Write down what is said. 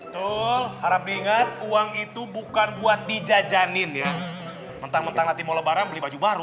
tol harap ingat uang itu bukan buat dijajanin ya tentang mentang latihanol barang beli baju baru